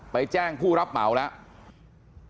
แจ้งผู้รับเหมาแล้ว